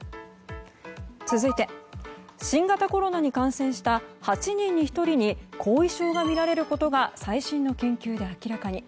続いて、新型コロナに感染した８人に１人に後遺症が見られることが最新の研究で明らかに。